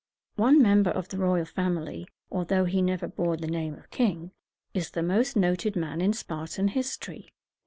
One member of the royal family, although he never bore the name of king, is the most noted man in Spartan history.